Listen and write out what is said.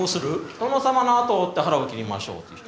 殿様の後を追って腹を切りましょうって人？